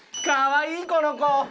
かわいいこの子！